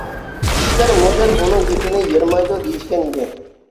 كىشىلەر مۇدىر ئۇنىڭ گېپىنى يىرمايدۇ دېيىشكەن ئىدى.